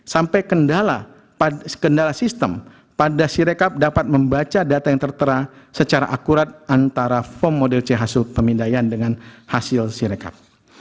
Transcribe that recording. sampai kendala sistem pada sirekap dapat membaca data yang tertera secara akurat antara form model c hasil pemindaian dengan hasil sirekap